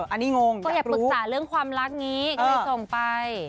อันนี้งงก็อย่าปรึกษาเรื่องความรักนี้ก็เลยส่งไป